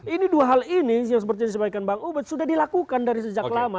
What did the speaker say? ini dua hal ini yang sepertinya disampaikan bang ubud sudah dilakukan dari sejak lama